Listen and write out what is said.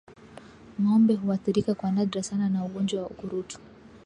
Ngombe huathirika kwa nadra sana na ugonjwa wa ukurutu